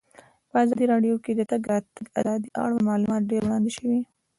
په ازادي راډیو کې د د تګ راتګ ازادي اړوند معلومات ډېر وړاندې شوي.